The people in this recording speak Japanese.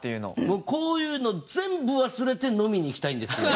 僕こういうの全部忘れて飲みに行きたいんですよ。